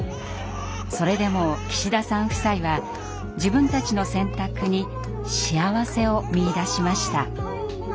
それでも岸田さん夫妻は自分たちの選択にしあわせを見いだしました。